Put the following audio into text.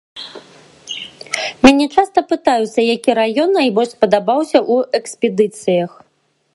Мяне часта пытаюцца, які раён найбольш спадабаўся ў экспедыцыях.